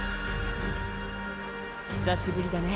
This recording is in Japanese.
久しぶりだね。